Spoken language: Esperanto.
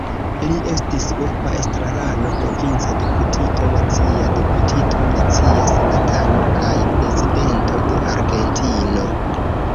Li estis urba estrarano, provinca deputito, nacia deputito, nacia senatano kaj Prezidento de Argentino.